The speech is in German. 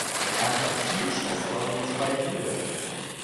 Er hatte vier Schwestern und zwei Brüder.